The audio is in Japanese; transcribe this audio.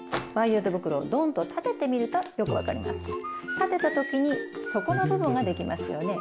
立てた時に底の部分ができますよね。